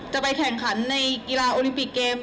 จะไปแข่งขันในกีฬาโอลิมปิกเกม